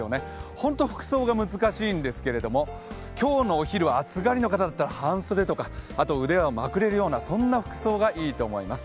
本当に服装が難しいんですけれども今日のお昼は暑がりの方だったら半袖とか、腕はまくれるような服装がいいと思います。